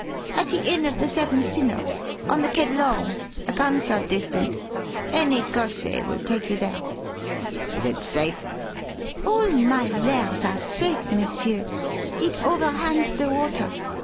"At the Inn of the Seven Sinners on the Quai d'Lorme a gunshot distant. Any cocher will take you there." "Is it safe?" "All my 'lairs' are safe, monsieur. It overhangs the water.